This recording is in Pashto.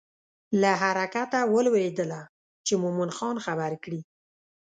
له حرکته ولوېدله چې مومن خان خبر کړي.